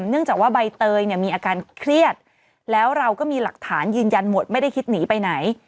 เนื่องจากว่าใบเตยเนี่ยมีอาการเครียดแล้วเราก็มีหลักฐานยืนยันหมดไม่ได้คิดหนีไปไหน